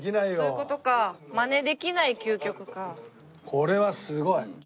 これはすごい！